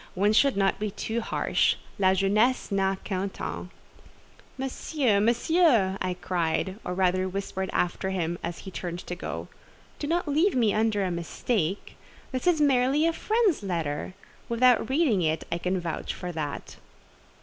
one should not be too harsh; 'la jeunesse n'a qu'un temps.'" "Monsieur, Monsieur!" I cried, or rather whispered after him, as he turned to go, "do not leave me under a mistake. This is merely a friend's letter. Without reading it, I can vouch for that."